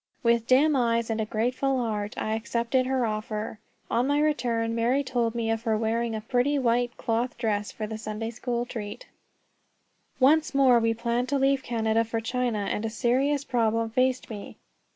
With dim eyes and a grateful heart I accepted her offer. On my return, Mary told me of her wearing a pretty white cloth dress for the Sunday school treat. Once more we planned to leave Canada for China, and a serious problem faced me.